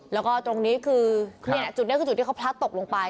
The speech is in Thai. แล้วก็ตรงนี้คือจุดนี้คือจุดที่เขาพลัดตกลงไป